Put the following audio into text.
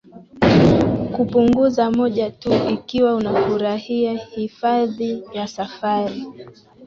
kupunguza moja tu ikiwa unafurahia Hifadhi ya safari